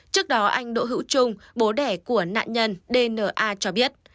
trước đó anh đỗ hữu trung bố đẻ của nạn nhân dna cho biết